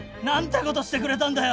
ことしてくれたんだよ！